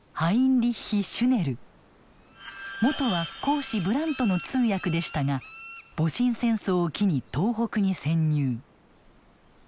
もとは公使ブラントの通訳でしたが戊辰戦争を機に東北に潜入。